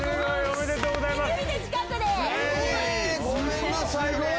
ありがとうございます